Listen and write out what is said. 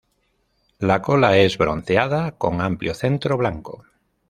La cola es bronceada, con amplio centro blanco.